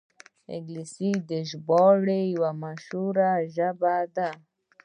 انګلیسي د ژباړې یوه مشهوره ژبه ده